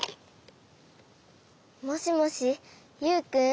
もしもしユウくん？